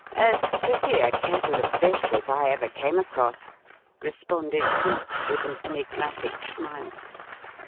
"As pretty a kettle of fish as I ever came across," responded Cleek, with an enigmatic smile.